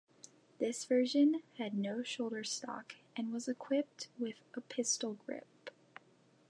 This version had no shoulder stock and was equipped with a pistol grip.